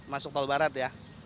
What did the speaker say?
masuk tol barat ya